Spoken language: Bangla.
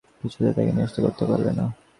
কিছুতে তাঁকে নিরস্ত করতে পারলে না।